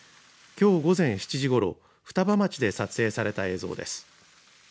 きょう午前７時ごろ双葉町で撮影された映像です。